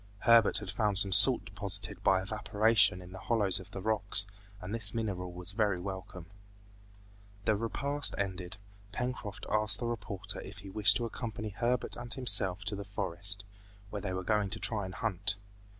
Herbert had found some salt deposited by evaporation in the hollows of the rocks, and this mineral was very welcome. The repast ended, Pencroft asked the reporter if he wished to accompany Herbert and himself to the forest, where they were going to try to hunt.